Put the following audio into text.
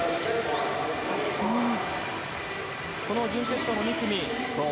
この準決勝の２組。